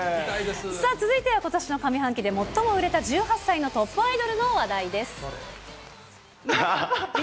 さあ、続いてはことしの上半期で最も売れた１８歳のトップアイドルの話題です。